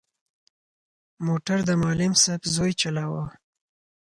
موټر د معلم صاحب زوی چلاوه.